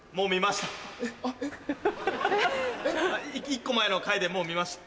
１個前の回でもう見ました。